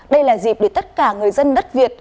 đây là dịp để tất cả người dân đất việt